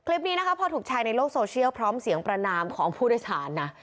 คลิปนี้นะคะพอถูกแชร์ในโลกโซเชียลพร้อมเสียงประนามของผู้โดยสารนะ